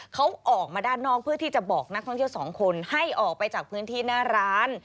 เขาออกมาด้านนอกเพื่อที่จะบอกนักท่องเที่ยวสองคนให้ออกไปจากพื้นที่หน้าร้าน